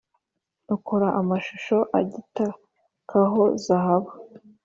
Ukora amashusho agitakaho zahabu,